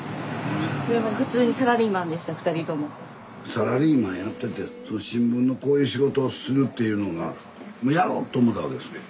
サラリーマンやってて新聞のこういう仕事をするっていうのがもうやろう！と思ったわけですね？